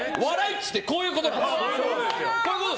市ってこういうことなんです。